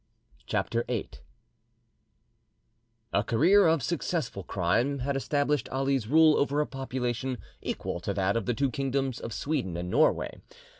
CHAPTER VIII A career of successful crime had established Ali's rule over a population equal to that of the two kingdoms of Sweden and Norway.